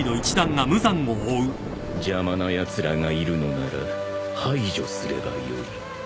［邪魔なやつらがいるのなら排除すればよい］